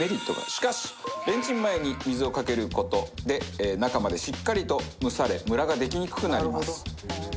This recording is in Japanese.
しかしレンチン前に水をかける事で中までしっかりと蒸されムラができにくくなります。